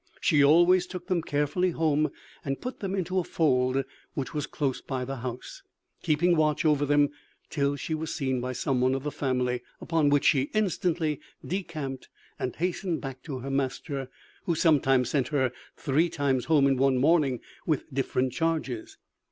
She always took them carefully home, and put them into a fold which was close by the house, keeping watch over them till she was seen by some one of the family; upon which she instantly decamped, and hastened back to her master, who sometimes sent her three times home in one morning with different charges.